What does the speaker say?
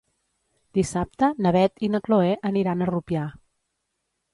Dissabte na Beth i na Chloé aniran a Rupià.